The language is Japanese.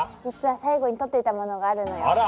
実は最後に取っておいたものがあるのよ。